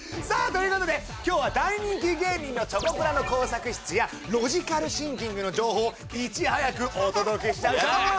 さあということで今日は大人気芸人のチョコプラの工作室やロジカルシンキングの情報をいち早くお届けしちゃうぞ。